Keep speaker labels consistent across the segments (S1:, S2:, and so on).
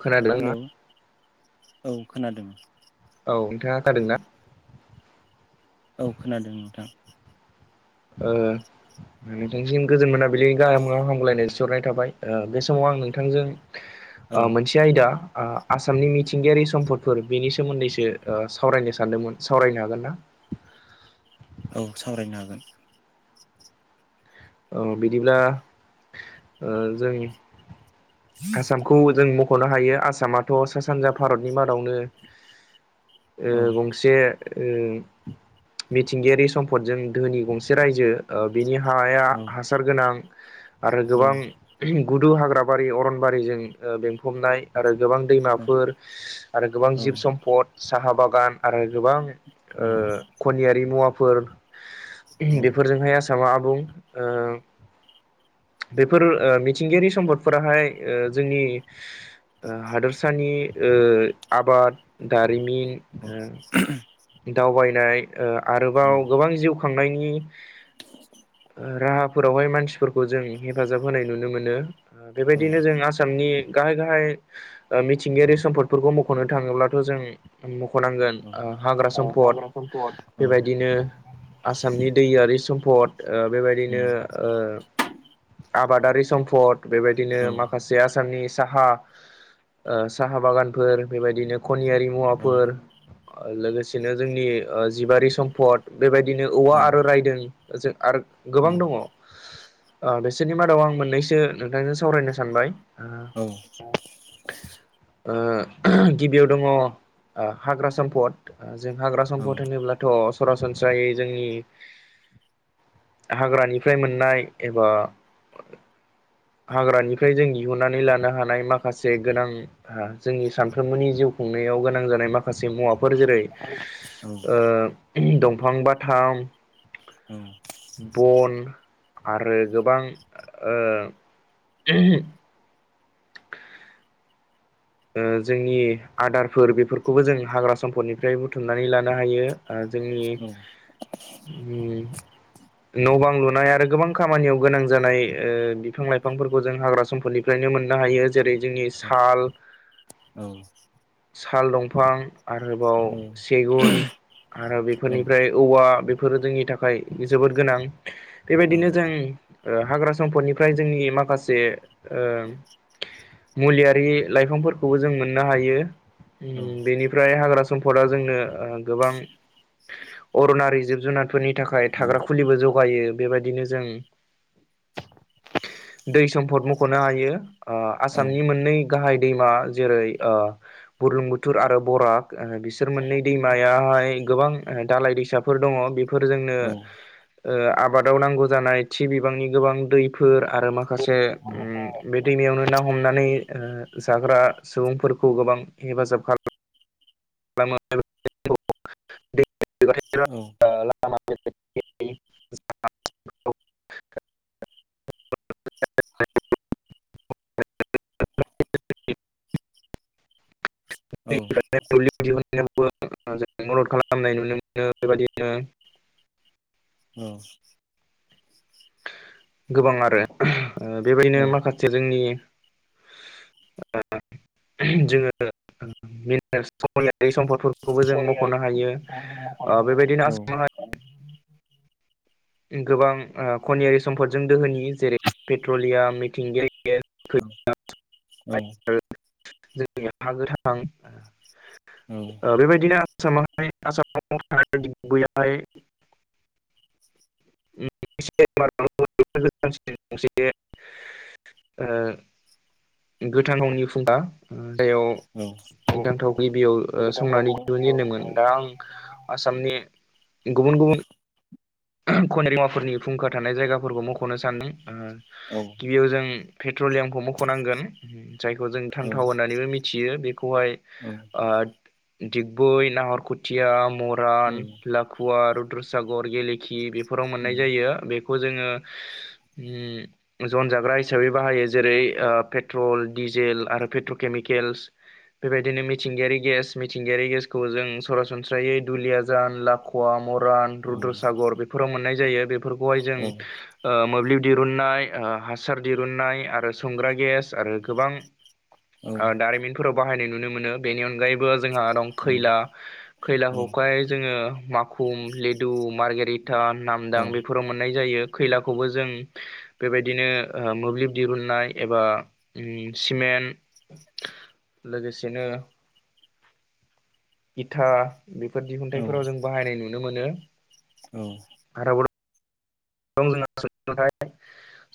S1: खोनादों ना
S2: हेलौ, औ खोनादों।
S1: औ, नोंथाङा खोनादों ना?
S2: औ खोनादों नोंथां।
S1: ओ नोंथांसिम गोजोन मोना बिलि गाहाम हाम्लायनाय जासिहरनाय थाबाय बे समाव आं नोंथांजों
S2: औ
S1: ओ मोनसे आयदा ओ आसामनि मिथिंगायारि सम्पदफोर बेनि सोमोन्दैसो ओ सावरायनो सानदोंमोन सावरायनो हागोन ना?
S2: औ सावरायनो हागोन।
S1: औ बिदिब्ला ओ जोंनि आसाम खौ जों मख'नो हायो आसामाथ' सा सानजा भारतनि मादावनो ओ
S2: औ
S1: गंसे गंसे ओ मिथिंगायारि सम्पदजों धोनि गंसे रायजो ओ बिनि हाया
S2: औ
S1: हासार गोनां आरो
S2: औ
S1: गोबां गुदु हाग्राबारि अरनबारिजों ओ बेंफबनाय आरो गोबां दैमाफोर आरो गोबां
S2: औ
S1: जिब सम्पद साहा बागान आरो गोबां
S2: औ
S1: ओ खनियारि मुवाफोर
S2: औ
S1: बेफोरजोंहाय आसामा आबुं ओ बेफोर ओ मिथिंगायारि सम्पदफोराहाय ओ जोंनि ओ हादोरसानि ओ आबाद दारिमिन ओ दावबायनाय ओ आरोबाव गोबां जिउ खांनायनि ओ राहाफोरावहाय मानसिफोरखौ जों हेफाजाब होनाय नुनो मोनो। ओ बेबायदिनो जों आ सामनि गाहाय गाहाय ओ मिथिंगायारि सम्पदफोरखौ मख'नो थाङोब्लाथ' जों मख'नांगोन हाग्रा सम्फद बेबायदिनो आसामनि दैयारि सम्पद ओ बेबायदिनो ओ आबादारि सम्फद बेबायदिनो माखासे जे आसामनि साहा ओ साहा बागानफोर बेबायदिनो खनियारि
S2: औ
S1: मुवाफोर लोगोसेनो जोंनि ओ जिबारि सम्पद बेबायदिनो
S2: औ
S1: औवा आरो रायदों जों आरो
S2: उम
S1: गोबां दङ। ओ बिसोरनि मादाव आं मोननैसो नोंथांजों सावरायनो सानबाय। ओ
S2: औ
S1: ओ गिबियाव दङ ओ हाग्रा सम्पद जों हाग्रा सम्फद होनोब्ला थ' सरासनस्रायै जोंनि हाग्रानिफ्राय मोननाय एबा हाग्रानिफ्राय जों दिहुननानै लानो हानाय माखासे गोनां जोंनि सानफ्रोमबोनि जिउ खुंनायाव गोनां जानाय माखा माखासे मुवाफोर जेरै
S2: उम
S1: ओ दंफां बाथाम
S2: औ।
S1: बन आरो गोबां ओं ओ जोंनि आदारफोर बेफोरखौबो जों हाग्रा सम्फदनिफ्राय बुथुमनानै लानो हायो। ओ जोंनि उम
S2: [inaudible]
S1: न' बां लुनाय आरो गोबां खामानियाव गोनां जानाय ओ बिफां लाइफांफोरखौ जों हाग्रा सम्पदनि [unintelligible] मोननो हायो जेरै जोंनि
S2: औ
S1: साल
S2: औ।
S1: साल दंफां आरोबाव
S2: औ
S1: सेगुन आरो
S2: औ औ
S1: बेफोरनिफ्राय औवा बेफोरो जोंनि थाखाय जोबोद गोनां।
S2: औ
S1: बेबायदिनो जों ओ हाग्रा सम्फदनिफ्राय जोंनि माखासे ओ मुलियारि लाइफांफोरखौबो जों मोननो हायो।
S2: औ
S1: बेनिफ्राय हाग्रा सम्पदा जोंनो ओ गोबां अरनारि जिब जुनार फोरनि थाखाय थाग्रा खुलिबो जगायो बेबादिनो जों दै सम्फद मुंख'नो हायो। ओ आसामनि मोननै गाहाय दैमा जेरै ओ बुर्लुंबुथुर आरो बराग बि बिसोर मोननै दैमायाहाय गोबां दालाय दैसाफोर दंङ। बेफोर जोंनो ओ आबादाव नांगौ जानाय थि बिबांनि गोबां दैफोर आरो माखा से बे दैमायावनो ना हमनानै ओ जाग्रा सुबुंफोरखौ गोबां हेफाजाब खाला मो [unintelligible]
S2: उम।
S1: ओ लामा [unintelligible] दै [unintelligible] दिहुननायावबो मदद खालामनाय नुनो मोनो बेबायदिनो।
S2: औ।
S1: गोबां आरो। बेबाय [unintelligible] नो माखासे जोंनि [unintelligible] जोङो [unintelligible] समारि सम्दफोर खौनो मखनो हायो। ओ बेबायदिनो आसाम
S2: [inaudible]
S1: गोबां ओ खनियारि सम्पदजों दोहोनि जेरै पेट्रलियाम, मिथिंगायारि गेस,
S2: ओं
S1: खैला
S2: औ।
S1: आरो जोंनि हा गोथां
S2: औ।
S1: बेबायदिनो [unintelligible] [unintelligible] ओ गोथां गावनि फुंखा
S2: औ
S1: [unintelligible] गिबियाव ओ
S2: गोथां
S1: संना
S2: थावखौ
S1: दिहुनजेेनदोंमोन। दा आं आसामनि गुबुन गुबुन खनिरि मुवाफोरनि फुंखा थानाय जायगाफोरखौ मख'नो सानो ओ
S2: औ।
S1: गिबियाव जों पेट्रलियामखौ मख'नांगोन जायखौ जों थांथाव
S2: हागोन
S1: होननानैबो मिथियो बेखौहाय ओ दिगबै, नाहरखुथिया, म रान, लाखुवा, रुद्रसागर, गेलेखि बेफोराव मोननाय जायो बे खौ जोङो जनजाग्रा हिसाबै बाहायो जेरै ओ पेट्रल, डिजेल आरो पेट्रकेमिकेल। बेबायदिनो मिथिंगायारि गेस मिथिंगायारि गेसखौ जों सरासनस्रायै दुलियाजान, ला खवा मरान, रुद्रसागर बेफोराव मोननाय जायो। बेफोरखौहाय जों ओ मोब्लिब दिरुननाय ओ हासार दिरुननाय आरो संग्रा गेस आरो गोबां ओ दारिमिन फोराव बाहायनाय नुनो मोनो। बेनि अनगायैबो जोंहा दं खैला खैला हखाय जोङो माखुम, लेदुम मार्गेरिटा, नामदां बेफोराव मोननाय जायो। खैलाखौबो जों बेबायदिनो ओ मोब्लिब दिरुननाय एबा उम सिमेन्ट लोगोसेनो इथा बेफोर दिहुनथाइफोराव जों बाहायनाय नुनो मोनो।
S2: औ।
S1: [unintelligible] दं जोंहा [unintelligible]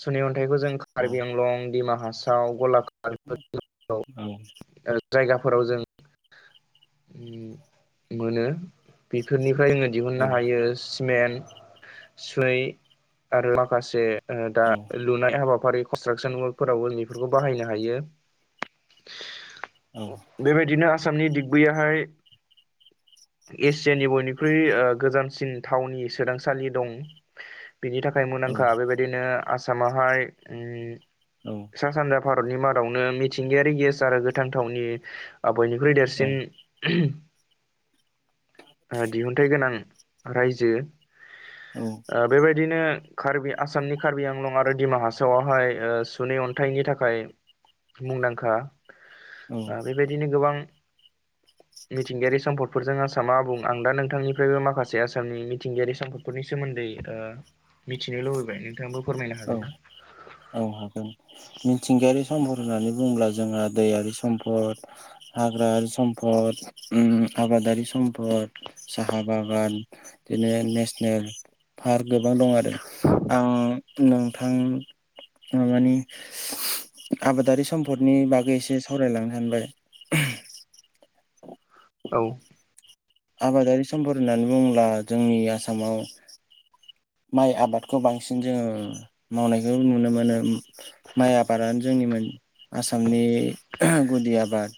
S1: सुनै अन्थाइखौ जों कार्बि आंलं, दिमा हासाव, गलाघा [unintelligible] जायगाफोराव जों ओम मोनो। बेफोरनिफ्राय जोङो दिहुननो हायो सिमेन्ट, सुइ आरो माखासे ओ दा ओ लुनाय हाबाफारि कनस्ट्राकसन वर्कफोरावबो बेफोरखौ बाहायनो हायो। बेबायदिनो आसामनि दिगबैयाहाय एसियानि बयनिख्रुइ ओ गोजामसिन थावनि सोदांसालि दं बिनि थाखाय मुंदांखा। बेबायदिनो आसामाहाय उम
S2: औ।
S1: सा सानजा भारतनि मादावनो मिथिंगायारि गेस आरो गोथांथावनि ओ बयनिख्रुइ देरसिन ओ दिहुन्थाइ गोनां रायजो। ओ बिदिनो कार्बि आसामनि कार्बि आंलं आरो दिमा हासावआवहाय ओ सुनै अन्थाइनि थाखाय मुंदांखा। ओ बेबायदिनो गोबां
S2: [inaudible]
S1: मिथिंगायारि सम्दफोरजों आसामा आबुं। आं दा नोंथांनिफ्रायबो माखासे आसामनि मिंगायारि सम्पद फोरनि सोमोन्दै ओ मिथिनो लुबैबाय। नोंथाङाबो फोरमायनो हागोन ना?
S2: औ हागोन। मिथिंगायारि सम्पद होननानै बुंङोब्ला जोंहा दैआरि सम्पद पद हाग्रा सम्पद, उम आबादारि सम्पद साहा बागान बिदिनो नेसनेल पार्क गोबां दं आरो। आं नोंथां मानि आबादारि सम्फदनि बागै एसे सावरायलांनो सानबाय।
S1: औ
S2: आबादारि सम्पद होननानै बुङोब्ला जोंनि आसामाव माइ आबादखौ बांसिन जोङो मावनायखौ नुनो मोनो। माइ आबादानो जोंनिमोन आसामनि गुदि आबाद।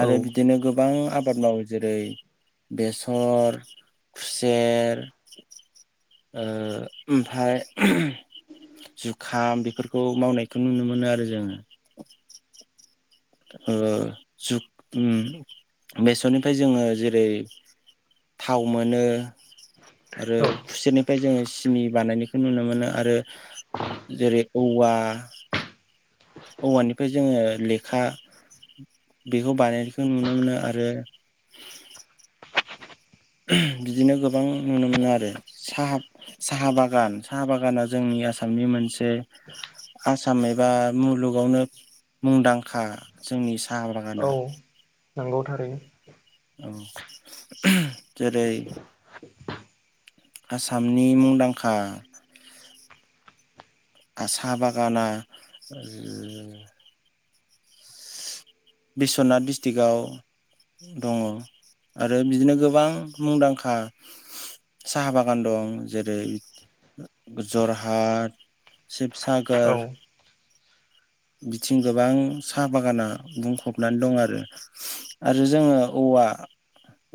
S1: औ
S2: बिदिनो गोबां आबाद मावो। जेरै- बेसर, खुसेर ओ ओमफ्राय जुखाम बेफोरखौ मावनायखौ नुनो मोनो आरो जोङो। ओ जुग उम बेसरनिफ्राय जोङो जेरै- थाव मोनो आरो
S1: औ
S2: खुसेरनि फाय जोङो सिनि बानायनायखौ नुनो मोनो आरो जेरै औवा औवानिफाय जोङो लेखा बेखौ बानायनायखौ नुनो मोनो। आरो बिदिनो गोबां नुनो मोनो आरो। साहा साहा बागान साहा बागाना जोंनि आसामनि मोनसे आसाम एबा मुलुगावनो मुंदांखा जोंनि साहा बागाना।
S1: औ नंगौ थारैनो।
S2: औ, जेरै आसामनि मुंदांखा आसा बागाना ओ बिस्वनाथ डिस्ट्रिक्टआव दङ। आरो बिदिनो गोबां मुंदांखा साहा बागान दं जेरै जरहाट
S1: औ
S2: शिबसागर बिथिं गोबां साहा बागाना बुंफबनानै दं आरो। आरो जोङो औवा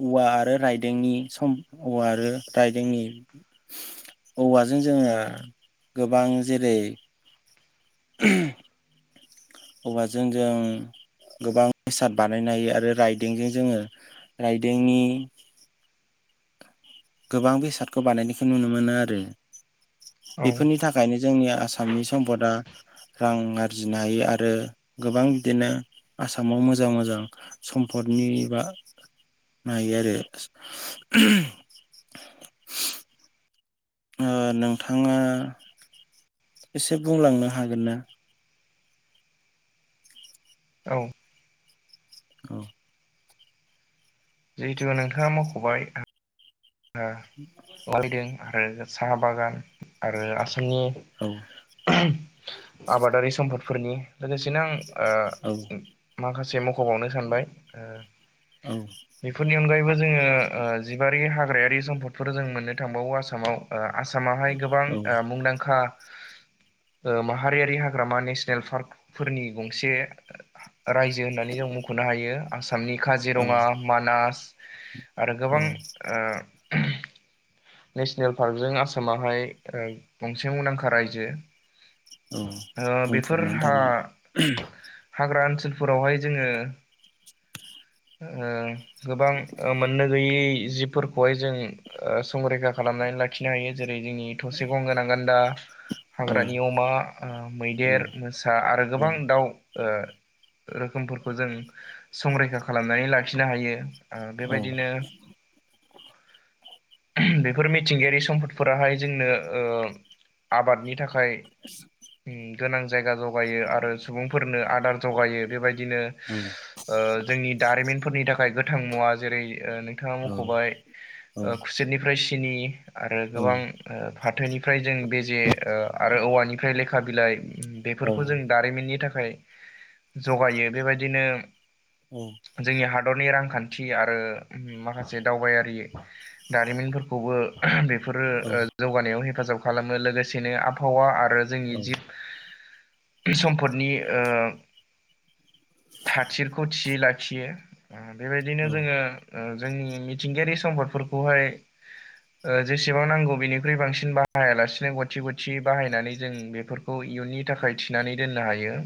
S2: औवा आरो रायदोंनि सम औवा आरो रायदोंनि औवाजों जोङो गोबां जेरै औवाजों जों गोबां बेसाद बानायनो हायो आरो राइदोंजों जोङो राइदोंनि गोबां बेसादखौ बानायनायखौ नुनो मोनो आरो।
S1: औ
S2: बेफोरनि थाखाय ओंखायनो जोंनि आसामनि सम्पदा रां आरजिनो हायो आरो गोबां बिदिनो आसामाव मोजां मोजां सम्पदनि बा मायो आरो ओ नोंथाङा एसे बुंलांनो हागोन ना?
S1: औ
S2: औ
S1: जिहेतु नोंथाङा मावख'बाय ओ लायदों आरो साहा बागान आरो आसामनि
S2: औ
S1: आबादारि सम्पदफोरनि लोगोसेनो आं
S2: औ
S1: ओ माखासे मख'बावनो सानबाय ओ
S2: औ
S1: बेफोरनि अनगायैबो जोङोह ओ जिबारि हाग्रायारि सम्दफोर जों मोननो थांबावो आसामाव। ओ आसामावहाय गोबां
S2: औ
S1: ओ मुंदांखा ओ माहारियारि हाग्रामा नेसनेल पार्कफोरनि गंसे रायजो होननानै जों मख'नो हायो। आसामनि
S2: औ
S1: काजिरङा, मानास आरो
S2: औ
S1: गोबां ओ नेसनेल पार्कजों आसामावहाय ओ गंसे मुंदांखा रायजो।
S2: औ
S1: ओ बेफोर
S2: बुंफबनानै
S1: हा
S2: थानो
S1: हाग्रा ओनसोलफोरावहाय जोङो ओ गोबां ओ मोननो गैयै जिब फोरखौहाय जों ओ संरैखा खालामनानै लाखिनो हायो। जेरै जोंनि थसे गं गोनां गान्दा।
S2: औ
S1: हाग्रानि अमा, ओ
S2: औ
S1: मैदेर, मोसा आरो
S2: औ
S1: गोबां दाउ ओ रोखोमफोरखौ जों संरैखा खालामनानै लाखिनो हायो। ओ
S2: औ
S1: बेबायदिनो
S2: [inaudible]
S1: बेफोर मिथिंगायारि सम्पदफोराहाय जोंनो ओ आबादनि थाखाय गोनां जायगा जगायो आरो सुबुंफोरनो आदार जगायो बेबायदिनो
S2: औ
S1: ओ जोंनि दारिमिनफोरनि थाखाय गोथां मुवा जेरै ओ नोंथाङा मख'बाय
S2: औ
S1: ओ खुसेरनिफ्राय सिनि आरो गोबां ओ फाथोनिफ्राय जों बेजे ओ आरो औवानिफ्राय लेखा बिलाइ
S2: औ
S1: बेफोरखौ जों दारिमिननि थाखाय जगायो। बेबायदिनो
S2: औ
S1: जोंनि हादरनि रांखान्थि आरो माखासे दावबायारि दारिमिनफोरखौबो बे बेफोरो ओ जौगानायाव हेफाजाब खालामो। लोगोसेनो आबहावा आरो जोंनि जिब सम्पदनि ओ थथिरखौ थियै लाखियो बेबायदिनो जोङो
S2: औ
S1: ओ जोंनि मिथिंगायारि सम्पदफोरखौहाय ओ जेसेबां नांगौ बेनिख्रुइ बांसिन बाहायालासिनो गथि गथि बाहायनानै जों बेफोर खौ इयुननि थाखाय थिनानै दोननो हायो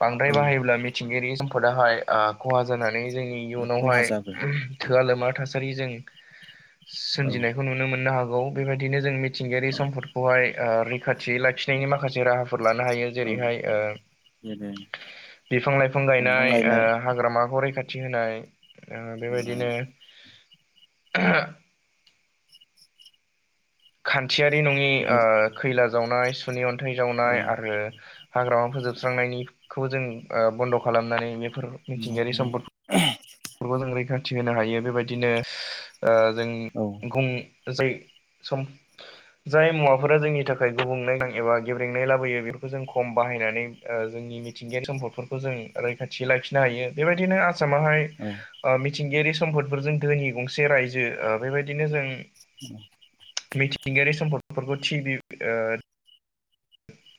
S1: बांद्राय
S2: औ
S1: बाहायोब्ला मिथिंगायारि सम्पदाहाय ओ खहा जानानै जोंनि
S2: खहा
S1: इयुनावहाय
S2: जागोन
S1: थोआ लोमा थासारि जों
S2: औ
S1: सोमजिनायखौ नुनो मोननो हागौ बेबायदिनो जोंनि मिथिंगायारि
S2: औ
S1: सम्पदखौहाय ओ रैखाथि लाखिनायनि माखासे राहाफोर लानो हायो
S2: औ
S1: जेरैहाय ओ
S2: जेरै
S1: बिफां-लाइफां गायनाय ओ हाग्रामाखौ रैखाथि होनाय ओ बेबायदिनो थियारि नङि ओ खैला जावनाय सुनै अन्थाइ जावनाय आरो हाग्रामा फोजोबस्रांनायनिखौ जों ओ बन्द' खालामनानै बेफोर मिथिंगायारि
S2: औ
S1: सम्पदफोरखौ जों रैखाथि होनो हायो बेबायदिनो ओ जों
S2: औ
S1: गुम जै सम जाय मुवाफोरा जोंनि थाखाय गुबुंले एबा गेब्रेंनाय लाबोयो बेफोरखौ जों खम बाहायनानै ओ जोंनि मिथिंगायारि सम्फदफोरखौ जों रैखाथि लाखिनो हायो बेबायदिनो आसामाहाय
S2: औ
S1: ओ मिथिंगायारि सम्पदफोरजों धोनि गंसे रायजो ओ बेबायदिनो जों
S2: [inaudible]
S1: मिथिंगायारि सम्पदफोरखौ टिबि ओ [inaudible]